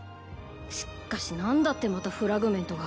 しっかしなんだってまたフラグメントが。